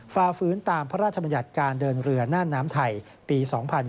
ฟาฟื้นตามพระราชมนิยัตกาลเดินเรือนานน้ำไทยปี๒๔๕๖